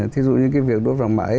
thí dụ như cái việc đốt hàng mã ấy